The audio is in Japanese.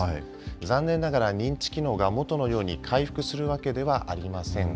残念ながら、認知機能が元のように回復するわけではありません。